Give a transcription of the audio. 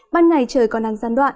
ban ngày trời còn đang gián đoạn